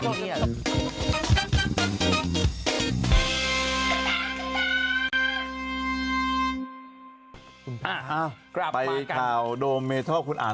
มีคลิปพี่โดมก็ฝากมา